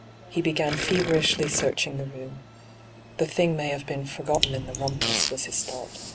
He began feverishly searching the room. ' The thing may have been for gotten in the rumpus,' was his thought.